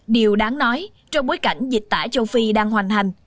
điều đáng nói trong bối cảnh dịch tả châu phi đang hoành hành